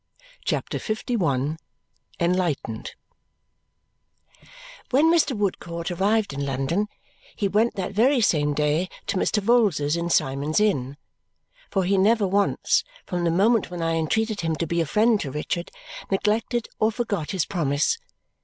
CHAPTER LI Enlightened When Mr. Woodcourt arrived in London, he went, that very same day, to Mr. Vholes's in Symond's Inn. For he never once, from the moment when I entreated him to be a friend to Richard, neglected or forgot his promise.